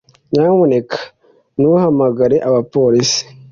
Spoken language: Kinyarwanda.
Nyamuneka ntuhamagare abapolisi